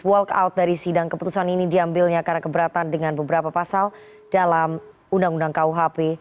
walkout dari sidang keputusan ini diambilnya karena keberatan dengan beberapa pasal dalam undang undang kuhp